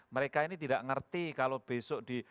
mereka ini tidak mengerti kalau besok di